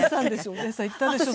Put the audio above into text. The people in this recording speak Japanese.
お姉さん言ったでしょ？